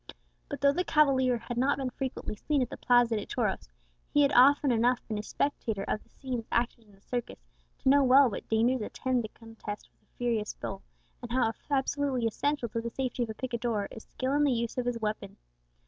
But though the cavalier had not been frequently seen at the Plaza de Toros, he had often enough been a spectator of the scenes acted in the circus to know well what dangers attend the contest with a furious bull, and how absolutely essential to the safety of a picador is skill in the use of his weapon.